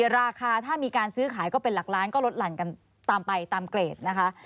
ราคาถ้ามีการซื้อขายก็เป็นหลักล้านก็ลดหลั่นกันตามไปตามเกรดนะคะ